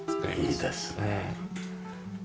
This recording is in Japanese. いいですね。